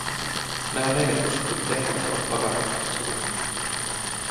Nämä meille uskotut tehtävät ovat pakahduttavan suuria.